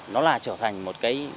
nó là trở thành một bài học hiện hữu